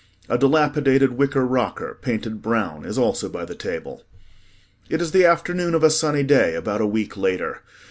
A dilapidated, wicker rocker, painted brown, is also by the table. It is afternoon of a sunny day about a week later.